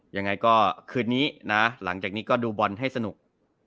ยังไงก็คืนนี้นะหลังจากนี้ก็ดูบอลให้สนุก